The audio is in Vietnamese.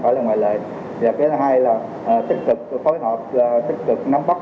có lợi cái thứ hai là tích cực phối hợp tích cực nắm bắt thông tin từ địa phương để mà biết mà